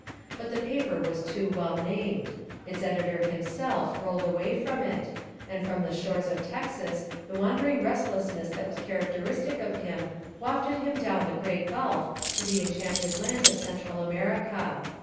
But the paper was too well named. Its editor himself rolled 239 Essays and Literary Studies away from It, and from the shores of Texas the wandering restlessness that was character istic of him wafted him down the great gulf to the enchanted land of Central America.